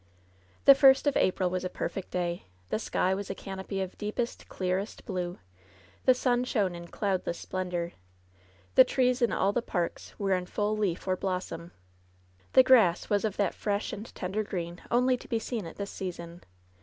The first of April was a perfect day. The sky was a canopy of deepest, clearest blue. The sun shone in 76 LOVE'S BITTEREST CUP cloudless splendor. The trees in all the parks were in full leaf or blossom. The grass was of that fresh and tender green only to be seen at this season.